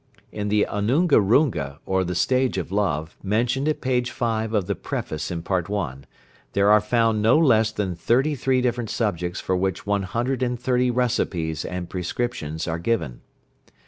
In the Anunga Runga or "The Stage of Love," mentioned at page 5 of the Preface in Part I., there are found no less than thirty three different subjects for which one hundred and thirty recipes and prescriptions are given.